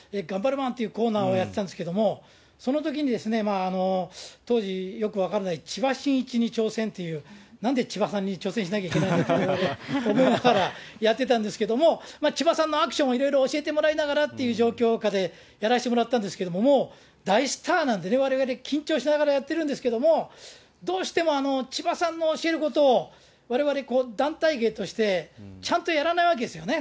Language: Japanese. まんっていうコーナーをやってたんですけれども、そのときに当時よく分からない千葉真一に挑戦っていう、なんで千葉さんに挑戦しなきゃいけないのっていう、思いながらやってたんですけれども、千葉さんのアクションをいろいろ教えてもらいながらという状況下で、やらしてもらったんですけれども、大スターなんでが緊張しながらやってるんですけれども、どうしても千葉さんの教えることを、われわれ、団体芸としてちゃんとやらないわけですよね。